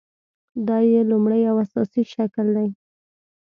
دا یې لومړۍ او اساسي شکل دی.